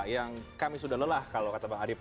yang kami sudah lelah kalau kata bang adi